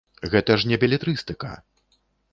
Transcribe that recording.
Гэта ж не белетрыстыка.